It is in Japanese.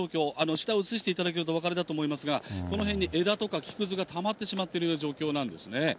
下を映していただけるとお分かりだと思いますが、この辺に枝とか木くずがたまってしまっている状況なんですね。